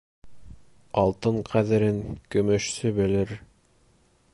Алтын ҡәҙерен көмөшсө белер.